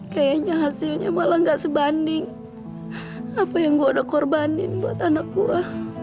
kayaknya hasilnya malah gak sebanding apa yang gue udah korbanin buat anak gue